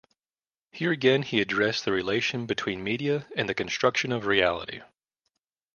Here again he addressed the relation between media and the construction of reality.